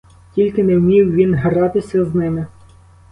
Тільки не вмів він гратися з ними.